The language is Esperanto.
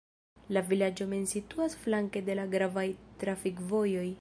La vilaĝo mem situas flanke de la gravaj trafikvojoj.